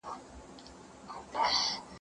نو ټولګۍ به فعاله وي.